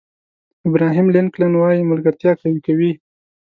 ابراهیم لینکلن وایي ملګرتیا قوي کوي.